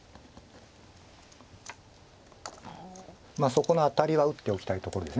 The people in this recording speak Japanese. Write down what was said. そこのアタリは打っておきたいところです